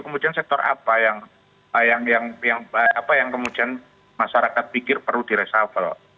kemudian sektor apa yang kemudian masyarakat pikir perlu diresafel